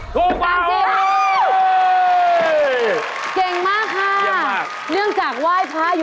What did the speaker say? ถูกกว่าไหม